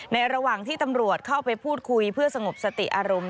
ระหว่างที่ตำรวจเข้าไปพูดคุยเพื่อสงบสติอารมณ์